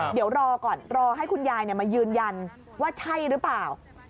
เดี๋ยวรอก่อนรอให้คุณยายมายืนยันว่าใช่หรือเปล่า